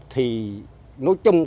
thì nói chung